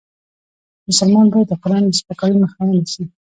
مسلمان باید د قرآن د سپکاوي مخه ونیسي .